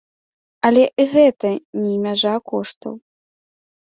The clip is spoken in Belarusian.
Але і гэта не мяжа коштаў.